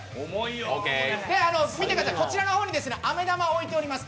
で、こちらの方に飴玉を置いております。